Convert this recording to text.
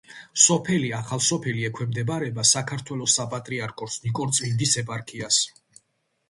სოფელი ახალსოფელი ექვემდებარება საქართველოს საპატრიარქოს ნიკორწმინდის ეპარქიას.